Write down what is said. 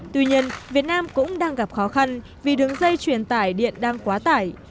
tuy nhiên việt nam cũng đang gặp khó khăn vì đường dây truyền tải điện đang quá tải